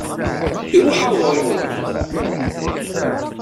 Iṛuḥ-aɣ uɣyul!